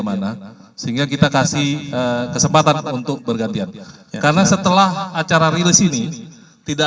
mana sehingga kita kasih kesempatan untuk bergantian karena setelah acara rilis ini tidak